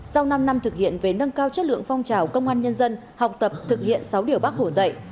sau năm năm thực hiện về nâng cao chất lượng phong trào công an nhân dân học tập thực hiện sáu điều bác hồ dạy